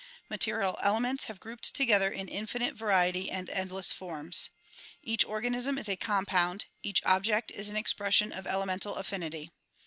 Material elements have grouped together in infinite variety and endless forms. Each organism is a compound ; each object is an expression of elemental affinity.